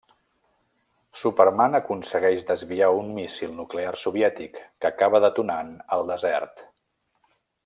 Superman aconsegueix desviar un míssil nuclear soviètic, que acaba detonant al desert.